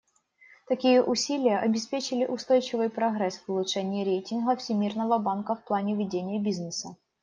Такие усилия обеспечили устойчивый прогресс в улучшении рейтинга Всемирного банка в плане ведения бизнеса.